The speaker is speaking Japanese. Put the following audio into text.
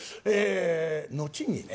後にね